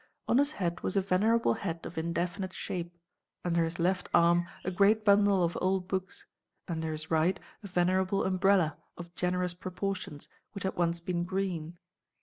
On his head was a venerable hat of indefinite shape; under his left arm a great bundle of old books; under his right a venerable umbrella of generous proportions, which had once been green.